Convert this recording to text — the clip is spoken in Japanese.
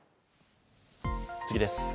次です。